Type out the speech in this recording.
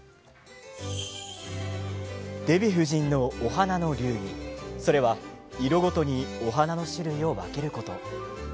デヴィ夫人のお花の流儀それは、色ごとにお花の種類を分けること。